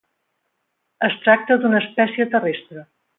Es tracta d'una espècie terrestre.